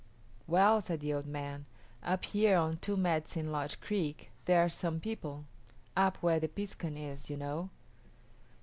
"Well," said the old man, "up here on Two Medicine Lodge Creek there are some people up where the piskun is, you know."